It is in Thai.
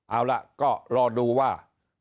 เอาล่ะก็รอดูว่า